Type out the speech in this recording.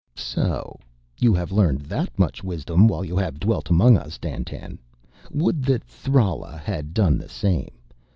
"So you have learned that much wisdom while you have dwelt among us, Dandtan? Would that Thrala had done the same.